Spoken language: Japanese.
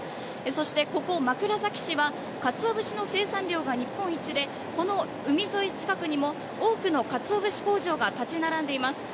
そして、ここ枕崎市はカツオ節の生産量が日本一でこの海沿い近くにも多くのカツオ節工場が立ち並んでいます。